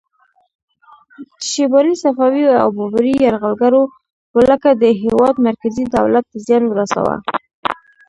د شیباني، صفوي او بابري یرغلګرو ولکه د هیواد مرکزي دولت ته زیان ورساوه.